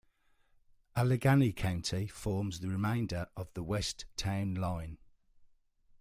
Allegany County forms the remainder of the west town line.